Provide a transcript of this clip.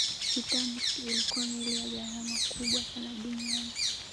titanic ilikuwa meli ya gharama kubwa sana duniani